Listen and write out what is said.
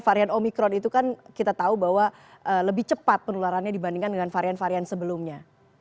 varian omikron itu kan kita tahu bahwa lebih cepat penularannya dibandingkan dengan varian varian sebelumnya